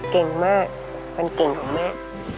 เก่งมากมันเก่งของแม่